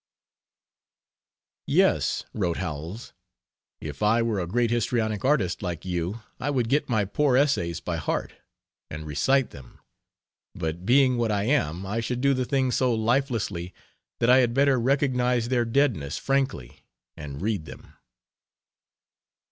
"Yes," wrote Howells, "if I were a great histrionic artist like you I would get my poor essays by heart, and recite them, but being what I am I should do the thing so lifelessly that I had better recognise their deadness frankly and read them."